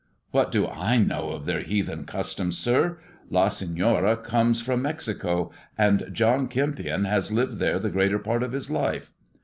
"What do I know of their heathen customs, sir! La s from Mexico, and John Eempion has lived there the greater part of his life.